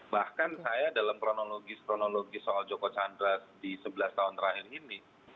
bahkan saya dalam kronologi kronologi soal joko chandra di sebelas tahun terakhir ini